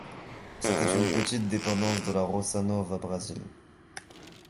C'était une petite dépendance de la roça Nova Brazil.